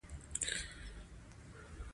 پابندی غرونه د افغانانو د ژوند طرز اغېزمنوي.